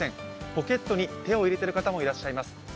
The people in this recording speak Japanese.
ポケットに手を入れてる方もいらっしゃいます。